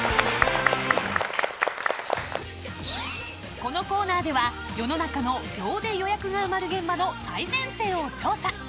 このコーナーでは、世の中の秒で予約が埋まる現場の最前線を調査。